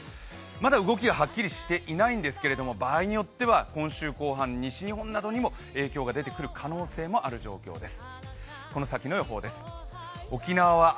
まだ動きがはっきりしていないんですけれども、場合によっては今週後半、西日本などにも影響が出てくる可能性も出てくる状況です。